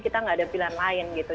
kita nggak ada pilihan lain gitu